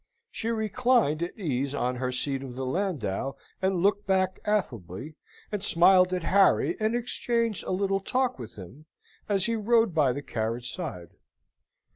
She reclined at ease on her seat of the landau, and looked back affably, and smiled at Harry and exchanged a little talk with him as he rode by the carriage side.